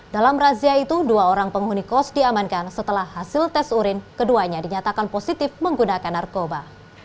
dalam razia itu dua orang penghuni kos diamankan setelah hasil tes urin keduanya dinyatakan positif menggunakan narkoba